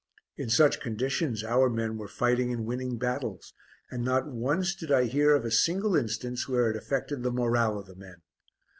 In such conditions our men were fighting and winning battles, and not once did I hear of a single instance where it affected the morale of the men.